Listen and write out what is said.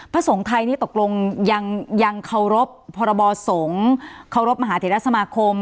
สงฆ์ไทยนี่ตกลงยังเคารพพรบสงฆ์เคารพมหาเทรสมาคม